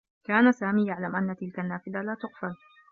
كان سامي يعلم أنّ تلك النّافذة لا تُقفل.